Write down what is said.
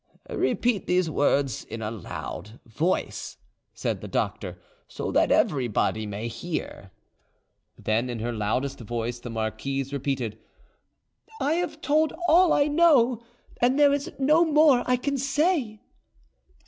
"Repeat these words in a loud voice," said the doctor, "so that everybody may hear." Then in her loudest voice the marquise repeated— "I have told all I know, and there is no more I can say."